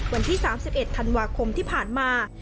วันที่๓๑ธันวาคมที่ผ่านมา